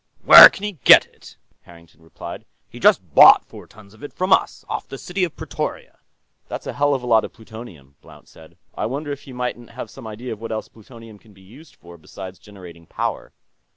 "Where can he get it?" Harrington replied. "He just bought four tons of it from us, off the City of Pretoria." "That's a hell of a lot of plutonium," Blount said. "I wonder if he mightn't have some idea of what else plutonium can be used for, beside generating power."